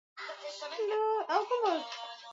Inatofautiana kutegemea kinachosababisha ugonjwa huu